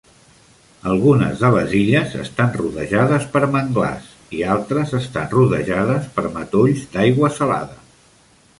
Algunes de les illes estan rodejades per manglars i altres estan rodejades per matolls d"aigua salada.